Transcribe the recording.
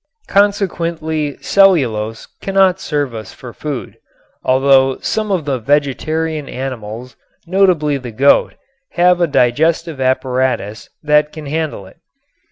Consequently cellulose cannot serve us for food, although some of the vegetarian animals, notably the goat, have a digestive apparatus that can handle it.